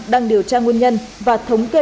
đang điều tra nguyên nhân và thống kê